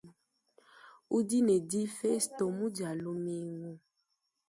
Udi ne difesto mu dialumingu.